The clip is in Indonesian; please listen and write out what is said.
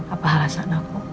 apa alasan aku